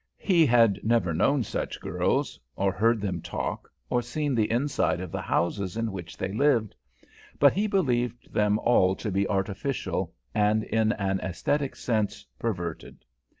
He had never known such girls, or heard them talk, or seen the inside of the houses in which they lived; but he believed them all to be artificial and, in an aesthetic sense, perverted.